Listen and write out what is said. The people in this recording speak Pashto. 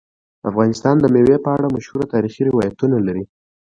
افغانستان د مېوې په اړه مشهور تاریخی روایتونه لري.